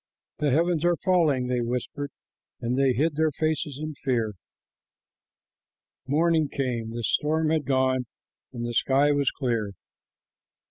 "The heavens are falling," they whispered, and they hid their faces in fear. Morning came, the storm had gone, and the sky was clear.